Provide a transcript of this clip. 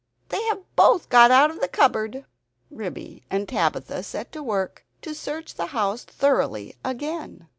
"They have both got out of the cupboard!" Ribby and Tabitha set to work to search the house thoroughly again.